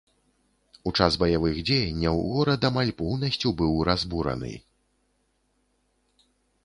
У час баявых дзеянняў горад амаль поўнасцю быў разбураны.